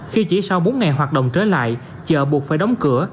khi chỉ sau bốn ngày hoạt động trở lại chợ buộc phải đóng cửa